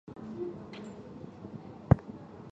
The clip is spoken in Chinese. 本属的名称来自中南半岛的湄公河。